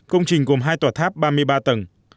công trình gồm hai tòa tháp ba mươi ba tầng